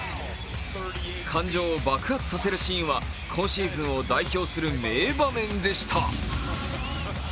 感情を爆発させるシーンは今シーズンを代表する名場面でした。